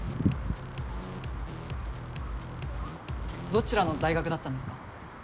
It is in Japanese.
どちらの大学だったんですか？